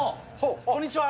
こんにちは。